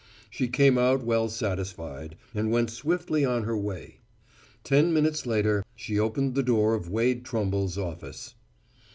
She came out well satisfied, and went swiftly on her way. Ten minutes later, she opened the door of Wade Trumble's office.